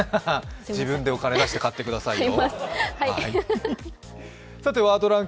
自分でお金出して買ってくださいよ。